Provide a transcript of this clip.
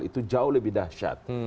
itu jauh lebih dahsyat